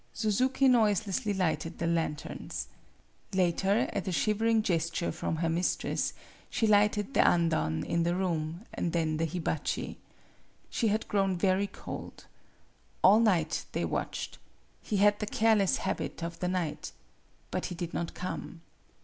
Suzuki noiselessly lighted the lanterns. Later, at a shivering gesture from her mistress, she lighted the andon in their room; then the hibachi. She had grown very cold. All night they watched. He had the careless habit of the night. But he did not come.